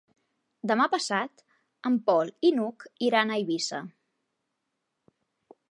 Demà passat en Pol i n'Hug iran a Eivissa.